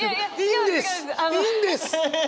いいんです！